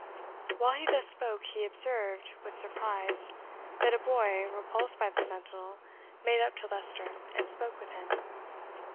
While he thus spoke, he observed, with surprise, that a boy, repulsed by the sentinel, made up to Leicester, and spoke with him.